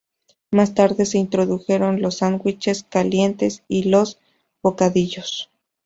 Más tarde se introdujeron los sándwiches calientes y los bocadillos.